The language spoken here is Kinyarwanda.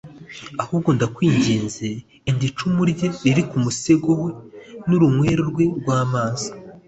Ahubwo ndakwinginze, enda icumu rye riri ku musego we n’urunywero rwe rw’amazi